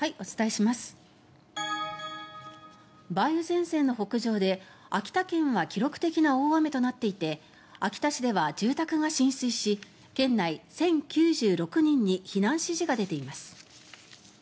梅雨前線の北上で、秋田県は記録的な大雨となっていて秋田市では住宅が浸水し県内１０９６人に避難指示が出ています。